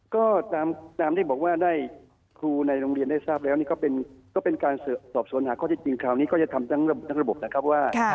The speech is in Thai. ก็ตามที่บอกว่าได้ครูในโรงเรียนได้ทราบแล้วนี่ก็เป็นการสอบสวนหาข้อเท็จจริงคราวนี้ก็จะทำทั้งระบบนะครับว่า